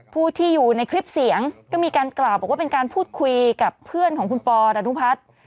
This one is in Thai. ผู้ที่อยู่ในคลิปเสียงก็มีการกล่าวบอกว่าเป็นการพูดคุยกับเพื่อนของคุณปอดานุพัฒน์